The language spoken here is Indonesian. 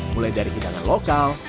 mulai dari hidangan lokal